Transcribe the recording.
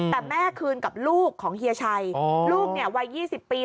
แต่แม่คืนกับลูกของเฮียชัยลูกวัย๒๐ปี